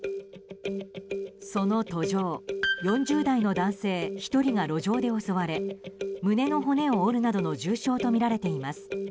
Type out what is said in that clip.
その途上、４０代の男性１人が路上で襲われ胸の骨を折るなどの重傷とみられています。